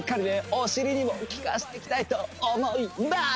お尻にも効かしていきたいと思います！